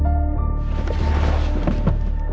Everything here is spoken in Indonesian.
tidak ada yang bisa dihukum